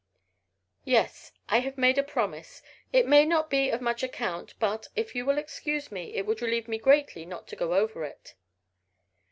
"Yes, I have made a promise. It may not be of much account, but, if you will excuse me, it would relieve me greatly not to go over it."